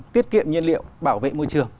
tiết kiệm nhiên liệu bảo vệ môi trường